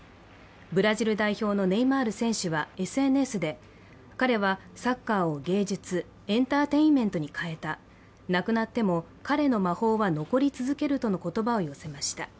ブラジル代表のネイマール選手はＳＮＳで彼はサッカーを芸術、エンターテインメントに変えた亡くなっても彼の魔法は残り続けるとの言葉を寄せました。